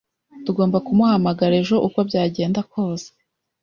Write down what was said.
Tugomba kumuhamagara ejo uko byagenda kose.